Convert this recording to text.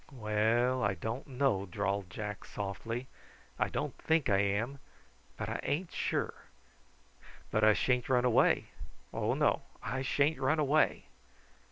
"Well, I don't know," drawled Jack softly. "I don't think I am, but I ain't sure. But I sha'n't run away. Oh, no, I sha'n't run away."